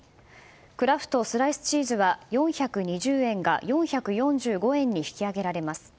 クラフトスライスチーズは４２０円が４４５円に引き上げられます。